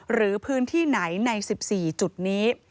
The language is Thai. หรือพื้นที่ไหนใน๑๔จุดนี้